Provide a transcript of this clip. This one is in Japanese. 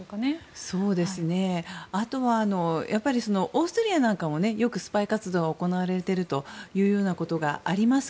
オーストリアなんかもスパイ活動よく行われているということもあります